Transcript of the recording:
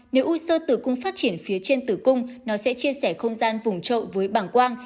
nếu u sơ tử cung phát triển phía trên tử cung nó sẽ chia sẻ không gian vùng trậu với bàng quang